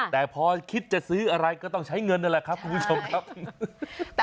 แต่พอคิดจะซื้ออะไรก็ต้องใช้เงินนั่นแหละครับคุณผู้ชมครับ